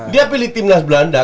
dia pilih timnas belanda